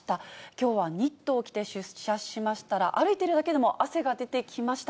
きょうはニットを着て出社しましたら、歩いているだけでも汗が出てきました。